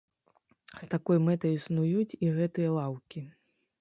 З такой мэтай існуюць і гэтыя лаўкі.